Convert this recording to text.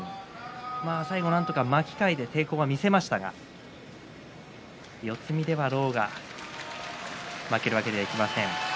最後、巻き替えて抵抗は見せましたが四つ身では狼雅負けるわけにはいきません。